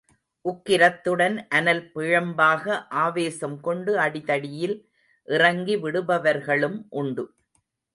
உக்கிரத்துடன் அனல் பிழம்பாக ஆவேசம் கொண்டு அடிதடியில் இறங்கி விடுபவர்களும் உண்டு.